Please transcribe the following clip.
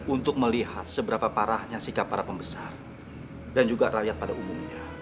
untuk melihat seberapa parahnya sikap para pembesar dan juga rakyat pada umumnya